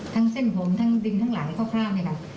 ทั้งเส้นผมทั้งดินทั้งหลังข้อข้ามนี่ค่ะ